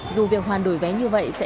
dù việc hoàn đổi vé như vậy